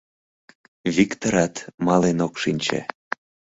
Виктырат мален ок шинче.